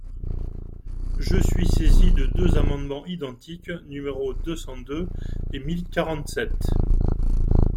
Je suis saisi de deux amendements identiques, numéros deux cent deux et mille quarante-sept.